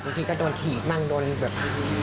บางทีก็โดนถีบบ้างโดนแบบ